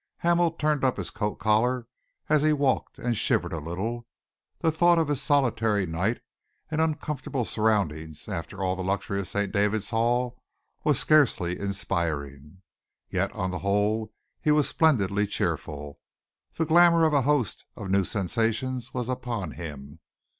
Hamel turned up his coat collar as he walked and shivered a little. The thought of his solitary night and uncomfortable surroundings, after all the luxury of St. David's Hall, was scarcely inspiring. Yet, on the whole, he was splendidly cheerful. The glamour of a host of new sensations was upon him.